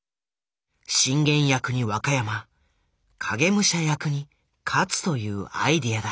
信玄役に若山影武者役に勝というアイデアだ。